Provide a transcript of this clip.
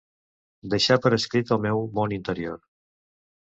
Deixar per escrit el meu món interior.